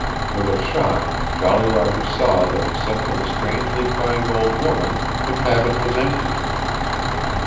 With a shock Jolly Roger saw that except for the strangely crying old woman the cabin was empty.